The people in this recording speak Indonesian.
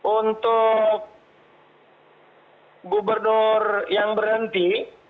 untuk gubernur yang berhenti